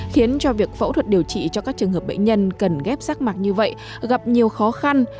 khiến cho việc phẫu thuật điều trị cho các trường hợp bệnh nhân cần ghép rác mạc như vậy gặp nhiều khó khăn